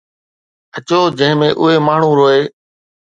اچو، جنهن ۾ اهي ماڻهو روئي